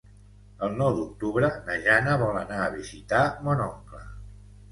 El nou d'octubre na Jana vol anar a visitar mon oncle.